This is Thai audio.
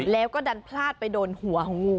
แล้วก็ดันพลาดไปโดนหัวของงู